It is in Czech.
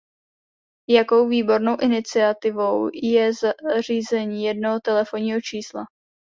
Jakou výbornou iniciativou je zřízení jednoho telefonního čísla.